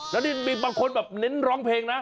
แล้วนี่มีบางคนแบบเน้นร้องเพลงนะ